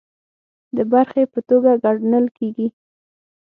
د برخې په توګه ګڼل کیږي